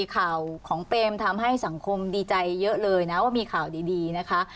ข่าวของเปมทำให้สังคมดีใจเยอะเลยนะว่ามีข่าวดีนะคะ